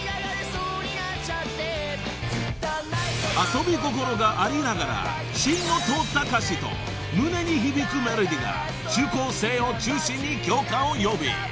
［遊び心がありながらしんの通った歌詞と胸に響くメロディーが中高生を中心に共感を呼び］